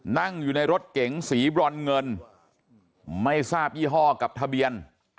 นั่งอยู่ในรถเก๋งสีบรอนเงินไม่ทราบยี่ห้อกับทะเบียน